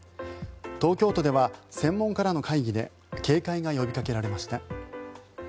東京都では専門家らの会議で警戒が呼びかけられました。